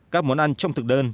các món ăn trong thực đơn